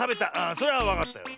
それはわかったよ。